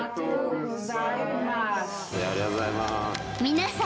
［皆さん。